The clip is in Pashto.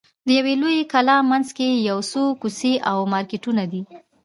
د یوې لویې کلا منځ کې یو څو کوڅې او مارکېټونه دي.